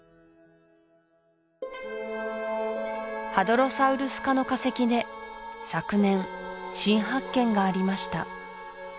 ハドロサウルス科の化石で昨年新発見がありました